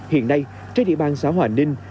hôm nay trên địa bàn xã hòa ninh